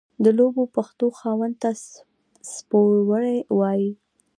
د لويو پښو خاوند ته څپړورے وائي۔